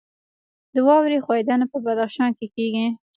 د واورې ښویدنه په بدخشان کې کیږي